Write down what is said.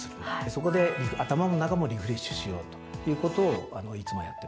そこで頭の中もリフレッシュしようということをいつもやってます。